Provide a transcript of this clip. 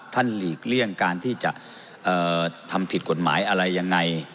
หลีกเลี่ยงการที่จะทำผิดกฎหมายอะไรยังไง